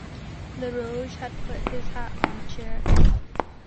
Lerouge had put his hat on a chair.